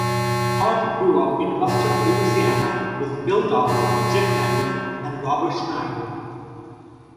Hart grew up in Ruston, Louisiana, with Bill Doss, Jeff Mangum and Robert Schneider.